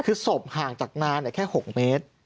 คือศพห่างจากนานแค่๖เมตร